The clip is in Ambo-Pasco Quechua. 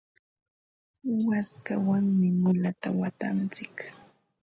waskawanmi mulata watantsik.